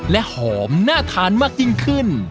และหอมน่าทานมากยิ่งขึ้น